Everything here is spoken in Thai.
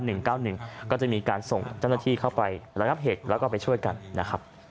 หนึ่งเก้าหนึ่งก็จะมีการส่งเจ้าหน้าที่เข้าไประงับเหตุแล้วก็ไปช่วยกันนะครับ